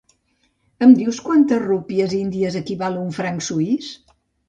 Em dius a quantes rúpies índies equival un franc suís?